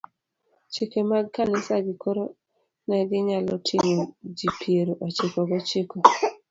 chike mag kanisagi, koro ne ginyalo ting'o ji piero ochiko gochiko